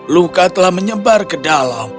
luka telah menyebar ke dalam